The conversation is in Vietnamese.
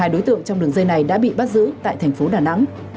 một mươi hai đối tượng trong đường dây này đã bị bắt giữ tại thành phố đà nẵng